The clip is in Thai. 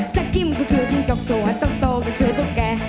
จะกิ้มก็คือทิ้งกรอกสวนต้องโตก็คือจุกแก่